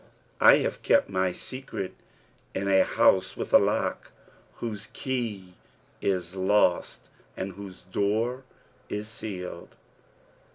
I have kept my secret in a house with a lock, whose key is lost and whose door is sealed.'